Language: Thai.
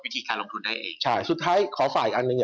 ตลาดหุ้นลงเยอะเนี่ย